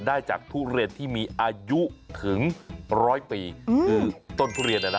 ได้จากทุเรียนที่มีอายุถึงร้อยปีคือต้นทุเรียนน่ะนะ